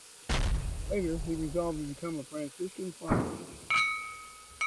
Later, he resolved to become a Franciscan Friar.